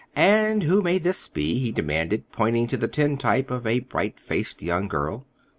"And who may this be?" he demanded, pointing to the tintype of a bright faced young girl.